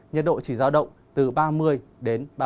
nhiệt độ chỉ giao động từ ba mươi đến ba mươi ba độ